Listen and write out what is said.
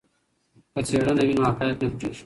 که څېړنه وي نو حقایق نه پټیږي.